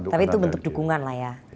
tapi itu bentuk dukungan lah ya